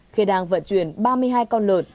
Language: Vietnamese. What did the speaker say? khi đang vận chuyển ba mươi hai con lợn